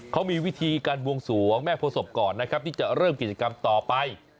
เขามีวิธีการบวงสวงแม่โพศพก่อนนะครับที่จะเริ่มกิจกรรมต่อไป